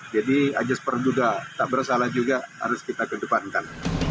jadi ajaran perjuda tak bersalah juga harus kita kedepankan